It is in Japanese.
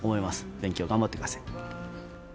勉強頑張ってください。